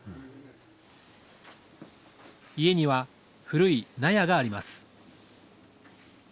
家には古い納屋があります